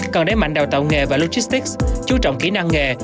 cần đẩy mạnh đào tạo nghề và logistics chú trọng kỹ năng nghề